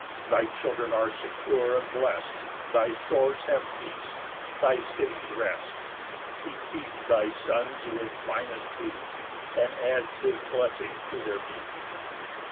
2 Thy children are secure and blest; Thy shores have peace, thy cities rest; He feeds thy sons with finest wheat, And adds his blessing to their meat.